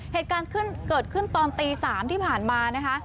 เหตุการณ์เกิดขึ้นตอนตี๓ที่ผ่านมานะคะ